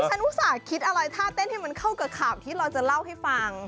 อุตส่าห์คิดอะไรท่าเต้นให้มันเข้ากับข่าวที่เราจะเล่าให้ฟัง